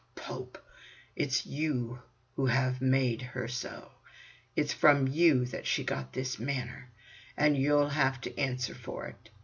pope, it's you who have made her so. It's from you she has got this manner. And you'll have to answer for it.